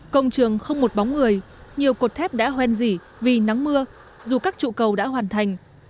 công trường không một bóng người nhiều cột thép đã hoen dỉ vì nắng mưa dù các trụ cầu đã hoàn thành